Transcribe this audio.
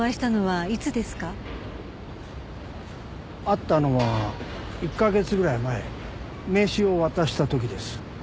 会ったのは１カ月ぐらい前名刺を渡した時です。